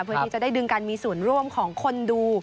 เพื่อที่จะได้ดึงการมีส่วนร่วมของคนดู